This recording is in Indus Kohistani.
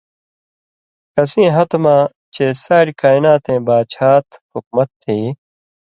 کسیں ہتہۡ مہ چے (ساریۡ کائناتَیں) باچھات/حُکمت تھی